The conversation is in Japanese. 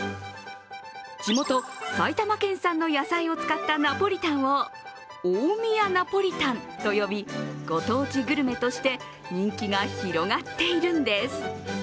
地元・埼玉県産の野菜を使ったナポリタンを大宮ナポリタンと呼び、ご当地グルメとして人気が広がっているんです。